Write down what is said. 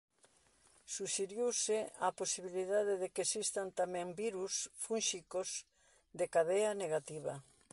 Suxeriuse a posibilidade de que existan tamén virus fúnxicos de cadea negativa.